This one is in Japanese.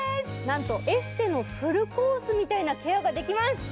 なんと、エステのフルコースみたいなケアができます。